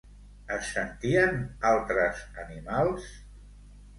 Es sentien altres animals?